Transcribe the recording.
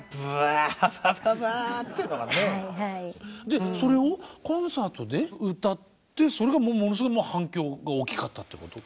でそれをコンサートで歌ってそれがものすごい反響が大きかったっていうこと？